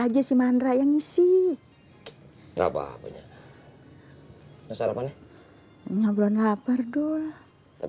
mak bang dul dipanggil nya atun mau puasa dulu ya